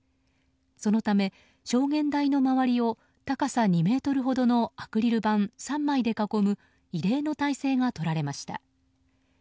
そのため証言台の周りを高さ２ｍほどのアクリル板３枚で囲む異例の態勢がとられました。